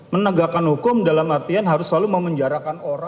menegakkan hukum dalam artian harus selalu memenjarakan orang